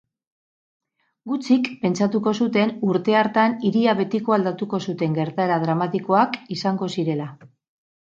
Gutxik pentsatuko zuten urte hartan hiria betiko aldatuko zuten gertaera dramatikoak izango zirela.